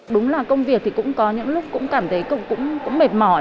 đúng là công việc thì cũng có những lúc cũng cảm thấy cũng mệt mỏi